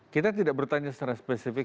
kita tidak bertanya secara spesifik